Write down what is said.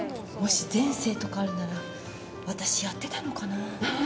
もし前世とかあるなら私やってたのかなあ。